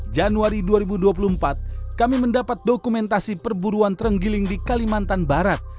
januari dua ribu dua puluh empat kami mendapat dokumentasi perburuan terenggiling di kalimantan barat